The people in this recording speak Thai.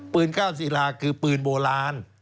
ปืนคาบศิลาคือปืนโบราณ